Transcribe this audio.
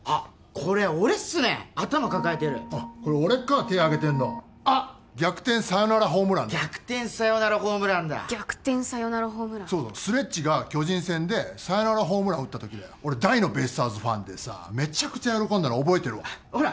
これ俺っすね頭抱えてるこれ俺か手あげてんのあっ逆転サヨナラホームランだ逆転サヨナラホームランだ逆転サヨナラホームランそうそうスレッジが巨人戦でサヨナラホームラン打った時だよ俺大のベイスターズファンでさメチャクチャ喜んだの覚えてるわほら